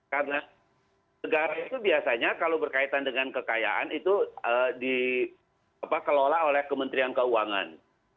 karena negara itu biasanya kalau berkaitan dengan kekayaan itu dikelola oleh kementerian keuangan